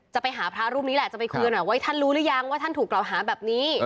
จะไปหาพระรูปนี้แหละจะไปคุยหน่อยไว้ท่านรู้หรือยังว่าท่านถูกกล่าวหาแบบนี้